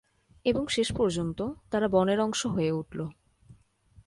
এবং শেষপর্যন্ত তারা বনের অংশ হয়ে উঠলো।